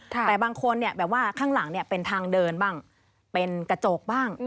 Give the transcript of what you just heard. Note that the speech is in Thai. แต่บางคนข้างหลังเป็นทางเดินบ้างเป็นกระโจกบ้าง